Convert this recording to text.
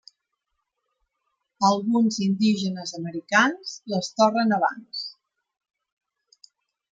Alguns indígenes americans les torren abans.